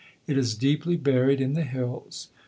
It is deeply buried in the hills.